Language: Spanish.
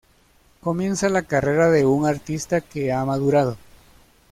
Comienza la carrera de un artista que ha madurado.